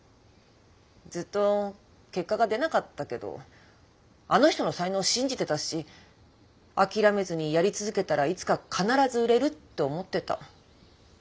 ずっと結果が出なかったけどあの人の才能信じてたし諦めずにやり続けたらいつか必ず売れると思ってた。